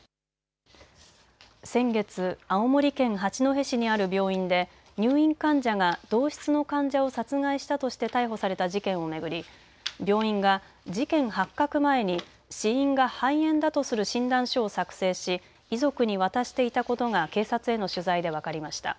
先月、青森県八戸市にある病院で入院患者が同室の患者を殺害したとして逮捕された事件を巡り病院が事件発覚前に死因が肺炎だとする診断書を作成し遺族に渡していたことが警察への取材で分かりました。